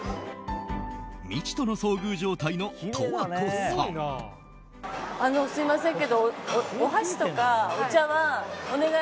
未知との遭遇状態の十和子さん。